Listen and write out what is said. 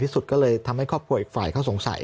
สุดก็เลยทำให้ครอบครัวอีกฝ่ายเขาสงสัย